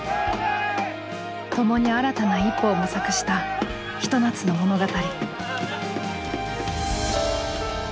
共に新たな一歩を模索したひと夏の物語。